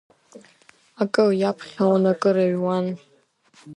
Акы иаԥхьаон, акы рыҩуан.